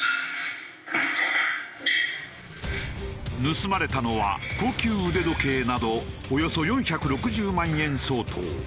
盗まれたのは高級腕時計などおよそ４６０万円相当。